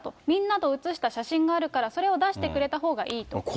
みんなで写した写真があるから、それを出してくれたほうがいいと。